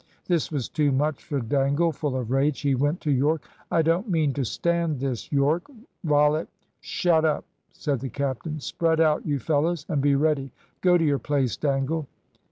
This was too much for Dangle. Full of rage, he went to Yorke. "I don't mean to stand this, Yorke. Rollitt " "Shut up!" said the captain. "Spread out, you fellows, and be ready. Go to your place, Dangle."